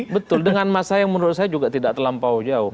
betul dengan masa yang menurut saya juga tidak terlampau jauh